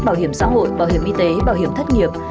bảo hiểm xã hội bảo hiểm y tế bảo hiểm thất nghiệp